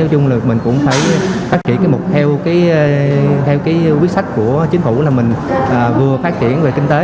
nói chung là mình cũng phải phát triển cái mục theo cái quyết sách của chính phủ là mình vừa phát triển về kinh tế